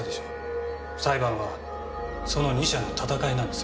裁判はその二者の戦いなんですよ。